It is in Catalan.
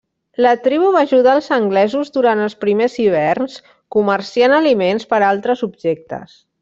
La tribu va ajudar als anglesos durant els primers hiverns comerciant aliments per altres objectes.